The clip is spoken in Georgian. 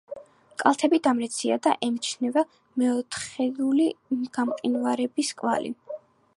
კალთები დამრეცია და ემჩნევა მეოთხეული გამყინვარების კვალი.